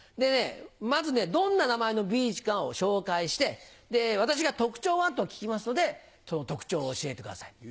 まずどんな名前のビーチかを紹介して私が「特徴は？」と聞きますのでその特徴を教えてください。